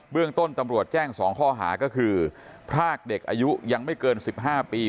เรื่องต้นตำรวจแจ้ง๒ข้อหาก็คือพรากเด็กอายุยังไม่เกิน๑๕ปี